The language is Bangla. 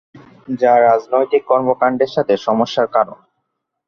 যা রাজনৈতিক কর্মকাণ্ডের ক্ষেত্রে সমস্যার কারণ।